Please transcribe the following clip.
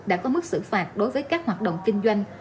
đã có mức xử phạt đối với các hoạt động kinh doanh